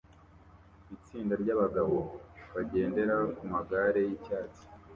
Itsinda ryabagabo bagendera kumagare yicyatsi